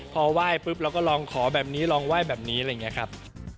พอไหว้ปุ๊บเราก็ลองขอแบบนี้ลองไหว้แบบนี้อะไรอย่างนี้ครับ